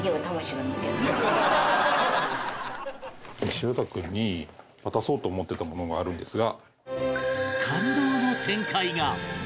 一朗太君に渡そうと思ってたものがあるんですが。